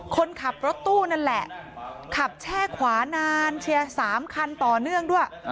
คนขับรถตู้นั่นแหละขับแช่ขวานานเชียร์๓คันต่อเนื่องด้วย